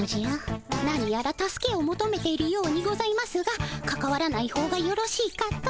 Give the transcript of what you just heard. なにやら助けをもとめているようにございますがかかわらないほうがよろしいかと。